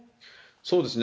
そうですね。